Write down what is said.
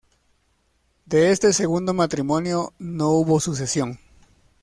De este segundo matrimonio no hubo sucesión.